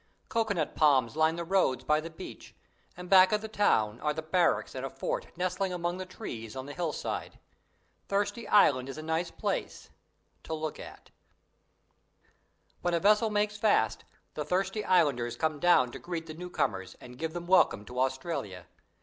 Coco nut palms line the roads by the beach, and back of the town are the barracks and a fort nestling among the trees on the hillside. Thirsty Island is a nice place to look at. When a vessel makes fast the Thirsty Islanders come down to greet the new comers and give them welcome to Australia.